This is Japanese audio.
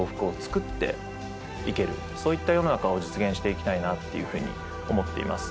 自分でですね実現していきたいなっていうふうに思っています。